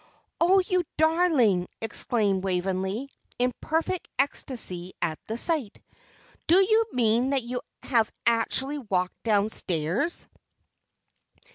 "Oh, you darling!" exclaimed Waveney, in perfect ecstasy at the sight. "Do you mean that you have actually walked downstairs?"